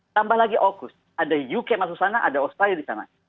tambah lagi aukus ada uk masuk sana ada australia di sana